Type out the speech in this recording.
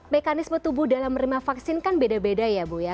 mekanisme tubuh dalam menerima vaksin kan beda beda ya bu ya